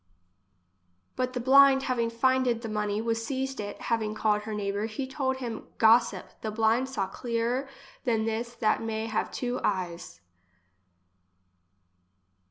But the blind 52 English as she is spoke. having finded the money, was seized it, having called her neighbour, he told him: "Gossip, the blind saw clearer than this that may have two eyes."